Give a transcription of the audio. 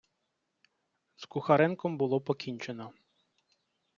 З Кухаренком було покінчено.